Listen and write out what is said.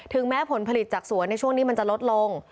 แม้ผลผลิตจากสวนในช่วงนี้มันจะลดลง